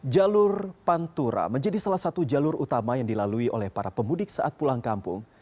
jalur pantura menjadi salah satu jalur utama yang dilalui oleh para pemudik saat pulang kampung